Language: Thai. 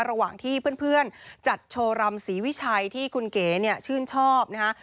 ระหว่างที่เพื่อนจัดโชว์รำศรีวิชัยที่คุณเก๋เนี่ยชื่นชอบนะฮะ